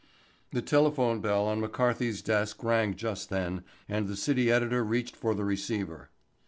The telephone bell on McCarthy's desk rang just then and the city editor reached for the receiver.